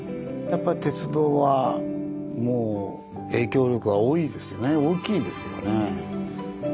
やっぱり鉄道はもう影響力が大きいですよね。